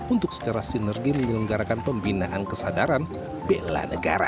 untuk secara sinergi menyelenggarakan pembinaan kesadaran bela negara